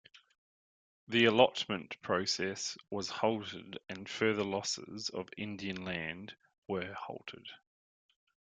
The allotment process was halted and further losses of Indian land were halted.